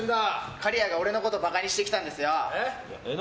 仮屋が俺のことバカにしてきたんですよ。